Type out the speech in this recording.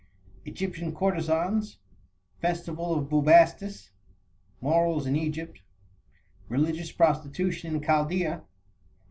Egyptian Courtesans. Festival of Bubastis. Morals in Egypt. Religious Prostitution in Chaldæa.